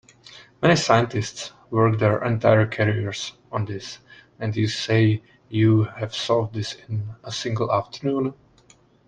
Many scientists work their entire careers on this, and you say you have solved this in a single afternoon?